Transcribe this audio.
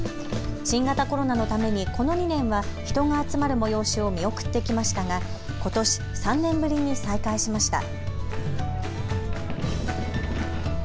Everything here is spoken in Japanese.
新型コロナのためにこの２年は人が集まる催しを見送ってきましたが、ことし３年ぶりに再開しました。